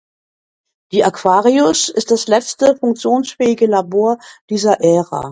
Die "Aquarius" ist das letzte funktionsfähige Labor dieser Ära.